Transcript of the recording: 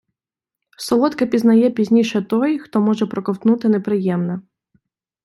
Солодке пізнає пізніше той, хто може проковтнути неприємне.